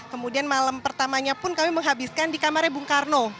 kemudian malam pertamanya pun kami menghabiskan di kamarnya bung karno